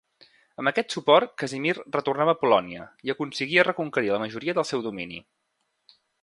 Amb aquest suport Casimir retornava a Polònia i aconseguia reconquerir la majoria del seu domini.